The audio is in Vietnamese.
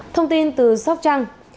thông tin từ sóc trăng